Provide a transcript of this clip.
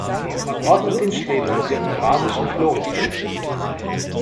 Man ordnet den Schlehdorn dem eurasischen Florenelement zu.